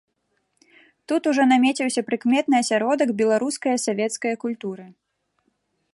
Тут ужо намеціўся прыкметны асяродак беларускае савецкае культуры.